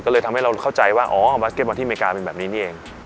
ก็เลยทำให้เราเข้าใจว่าอ๋อบาสเก็ตบอลที่อเมริกาเป็นแบบนี้นี่เอง